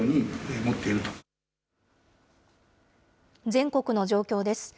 全国の状況です。